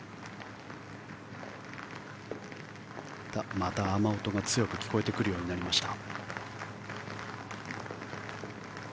また雨音が強く聞こえてくるようになりました。